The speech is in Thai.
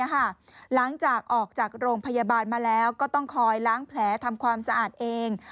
หลังจากออกจากโรงพยาบาลมาแล้วก็ต้องคอยล้างแผลทำความสะอาดเอง